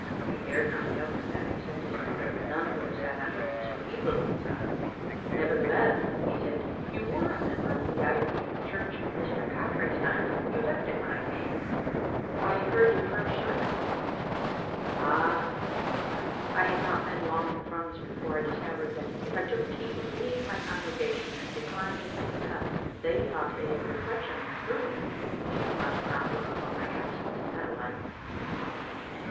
I dared not tell him that, except his mother, none would have sat under him so eagerly as I. " Nevertheless," he said, "you were a member of the Auld Licht church in Mr. Carfrae's time, and you left it when I came," Digitized by VjOOQ IC XTbe Dill JSefore S>atfine0d fcVU 241 I heard your first sermon," I said. " Ah," he replied. I had not been long in Thrums before I discovered that if I took tea with any of my congregation and declined a second cup, they thought it a reflection on their brewing." "You must not look upon my absence in that light," was all I could say.